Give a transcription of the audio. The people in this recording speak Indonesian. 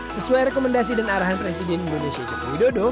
sesuai rekomendasi dan arahan presiden indonesia jokowi dodo